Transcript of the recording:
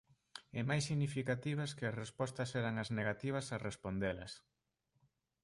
E máis significativas que as respostas eran as negativas a respondelas.